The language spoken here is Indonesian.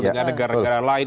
dengan negara negara lain